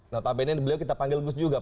notabene beliau kita panggil gus juga